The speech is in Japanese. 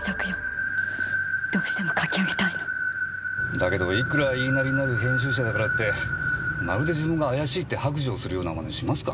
だけどいくら言いなりになる編集者だからってまるで自分が怪しいって白状するような真似しますか？